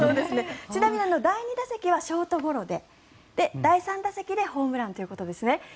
ちなみに第２打席はショートゴロで第３打席でホームランということですね。